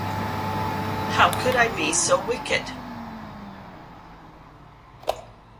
How could I be so wicked?